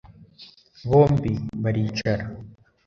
bombi baricara